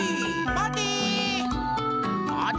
まて！